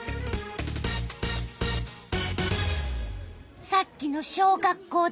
さっきの小学校では。